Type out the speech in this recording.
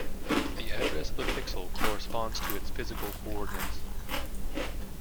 The address of a pixel corresponds to its physical coordinates.